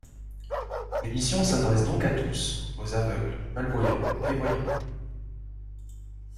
L'émission s'adresse donc à tous, aux aveugles, malvoyants et voyants.